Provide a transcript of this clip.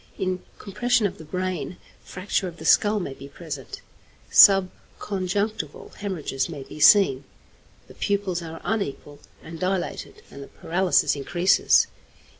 In compression of the brain, fracture of the skull may be present, subconjunctival hæmorrhages may be seen, the pupils are unequal and dilated, and the paralysis increases.